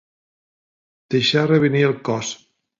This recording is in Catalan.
Deixar revenir el cos.